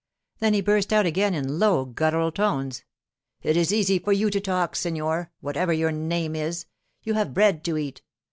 Then he burst out again in low guttural tones— 'It is easy for you to talk, Signor Whatever your name is. You have bread to eat.